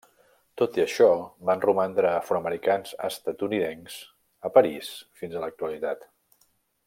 Tot i això, van romandre afroamericans estatunidencs a París fins a l'actualitat.